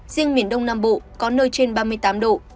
riêng miền đông nam bộ có nơi trên ba mươi tám độ